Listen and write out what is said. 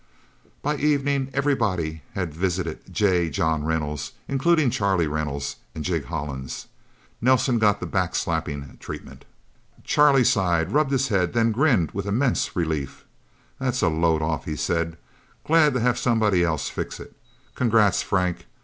By evening, everybody had visited J. John Reynolds, including Charlie Reynolds and Jig Hollins. Nelsen got the backslapping treatment. Charlie sighed, rubbed his head, then grinned with immense relief. "That's a load off," he said. "Glad to have somebody else fix it. Congrats, Frank.